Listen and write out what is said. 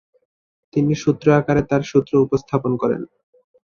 তিনি সূত্র আকারে তাঁর সূত্র উপস্থাপন করেন।